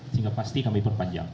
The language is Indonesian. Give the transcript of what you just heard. sehingga pasti kami perpanjang